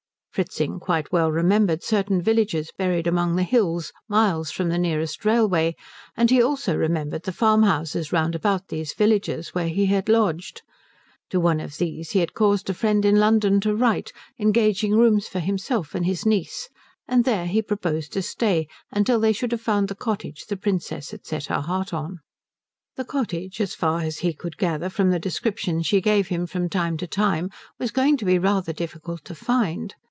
Fritzing quite well remembered certain villages buried among the hills, miles from the nearest railway, and he also remembered the farmhouses round about these villages where he had lodged. To one of these he had caused a friend in London to write engaging rooms for himself and his niece, and there he proposed to stay till they should have found the cottage the Princess had set her heart on. This cottage, as far as he could gather from the descriptions she gave him from time to time, was going to be rather difficult to find.